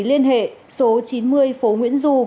liên hệ số chín mươi phố nguyễn du